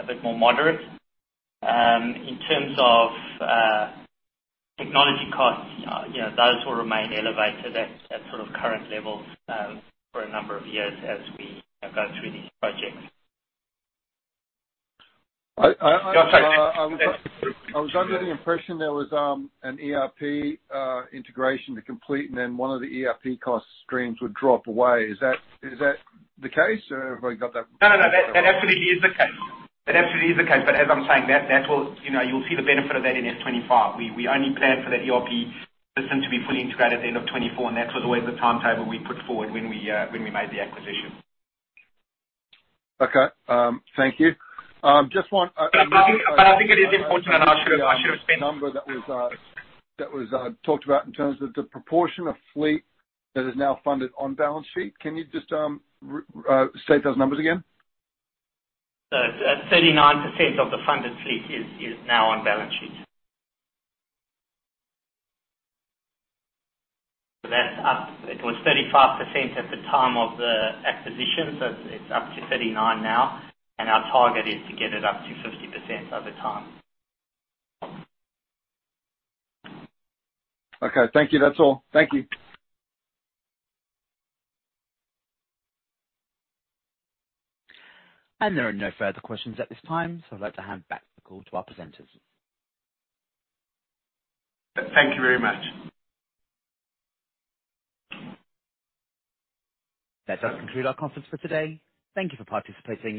a bit more moderate. In terms of technology costs, you know, those will remain elevated at sort of current levels for a number of years as we, you know, go through these projects. I, I- Go ahead, sorry. I was under the impression there was an ERP integration to complete, and then one of the ERP cost streams would drop away. Is that the case, or have I got that? No, no, that absolutely is the case. That absolutely is the case, but as I'm saying, that will. You know, you'll see the benefit of that in FY 2025. We only planned for that ERP system to be fully integrated at end of 2024, and that was always the timetable we put forward when we made the acquisition. Okay. Thank you. Just one. I think it is important, and I should have spent- The number that was talked about in terms of the proportion of fleet that is now funded on balance sheet. Can you just restate those numbers again? 39% of the funded fleet is now on balance sheet. That's up. It was 35% at the time of the acquisition, so it's up to 39 now. Our target is to get it up to 50% over time. Okay. Thank you. That's all. Thank you. There are no further questions at this time, so I'd like to hand back the call to our presenters. Thank you very much. That does conclude our conference for today. Thank you for participating.